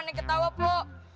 nih ketawa pok